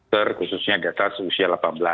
terkhususnya di atas usia delapan belas